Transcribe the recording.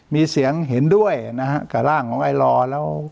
มีเสียงเห็นด้วยนะฮะกับร่างของไอลอร์แล้ว